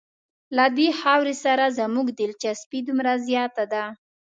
له دې خاورې سره زموږ دلچسپي دومره زیاته ده.